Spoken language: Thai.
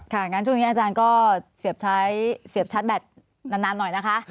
งั้นช่วงนี้อาจารย์ก็เสียบใช้เสียบชาร์จแบตนานหน่อยนะคะ